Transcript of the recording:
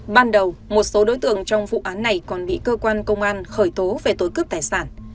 ban đầu một số đối tượng trong vụ án này còn bị cơ quan công an khởi tố về tội cướp tài sản